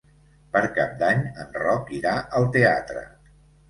Per Cap d'Any en Roc irà al teatre.